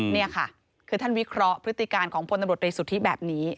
นี่ค่ะคือท่านวิเคราะห์พฤติการของพลตำรวจรีสุทธิแบบนี้